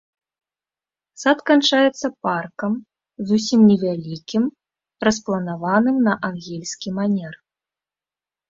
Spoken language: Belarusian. Сад канчаецца паркам, зусім невялікім, распланаваным на ангельскі манер.